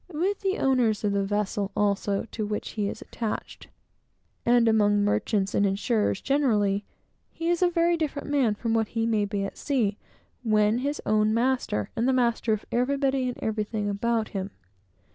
With the owners of the vessel, also, to which he is attached, and among merchants and insurers generally, he is a very different man from what he may be at sea, when his own master, and the master of everybody and everything about him.